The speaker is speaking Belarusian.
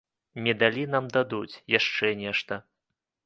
Медалі нам дадуць, яшчэ нешта.